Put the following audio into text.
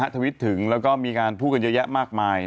ทวิตถึงแล้วก็มีการพูดกันเยอะแยะมากมาย